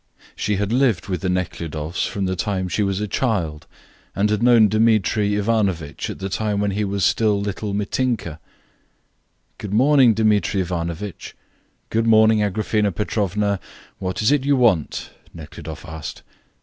She had lived with the Nekhludoffs from the time she was a child, and had known Dmitri Ivanovitch at the time when he was still little Mitinka. "Good morning, Dmitri Ivanovitch." "Good morning, Agraphena Petrovna. What is it you want?" Nekhludoff asked.